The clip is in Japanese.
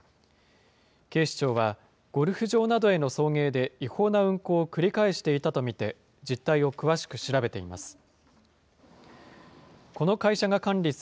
警視庁は、ゴルフ場などへの送迎で、違法な運航を繰り返していたと見て、実態を詳しく調べています。